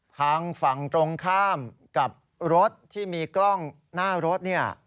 ทางฝั่งตรงข้ามกับรถที่มีกล้องหน้ารถเนี่ย